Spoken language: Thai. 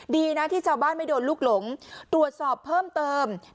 ดีนะที่ชาวบ้านไม่โดนลูกหลงตรวจสอบเพิ่มเติม